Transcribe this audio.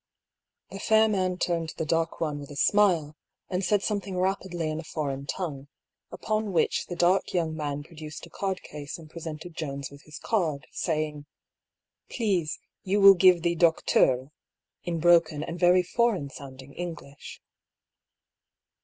The fair man turned to the dark one with a smile, and said something rapidly in a foreign tongue, upon which the dark young man produced a cardcase and presented Jones with his card, saying, " Please, you will give the docteur," in broken and very foreign sounding English.